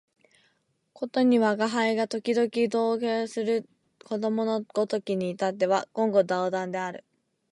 ことに吾輩が時々同衾する子供のごときに至っては言語道断である